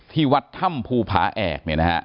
ที่วัดถ้ำภูผาแอกเนี่ยนะฮะ